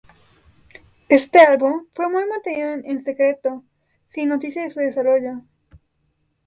Este álbum fue muy mantenida en secreto, sin noticias de su desarrollo.